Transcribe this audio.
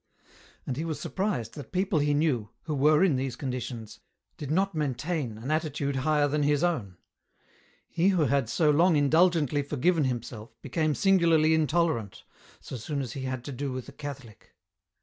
And he was surprised that people he knew, who were in these conditions, did not maintain an attitude higher than his own. He who had so long indulgently forgiven himself became singularly intolerant, so soon as he had to do with a Catholic.